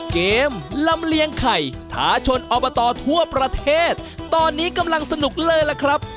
ลำเลียงไข่ถาชนอบตทั่วประเทศตอนนี้กำลังสนุกเลยล่ะครับ